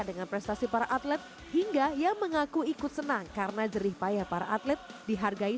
dengan prestasi para atlet hingga yang mengaku ikut senang karena jerih payah para atlet dihargai